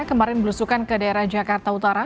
kemarin belusukan ke daerah jakarta utara